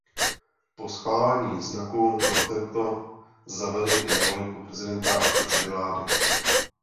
Po schválení znaku byl tento zaveden i na vlajku prezidenta a předsedy vlády.